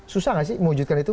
susah nggak sih mewujudkan itu